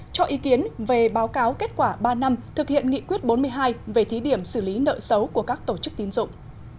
cho ý kiến về báo cáo kết quả ba năm thực hiện nghị quyết bốn mươi hai về thí điểm xử lý nợ xấu của các tổ chức tín dụng